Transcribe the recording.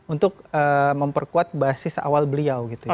untuk memperkuat basis awal beliau gitu ya